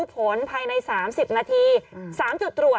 กล้องกว้างอย่างเดียว